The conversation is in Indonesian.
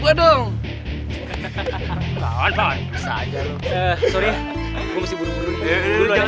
jatimah oke men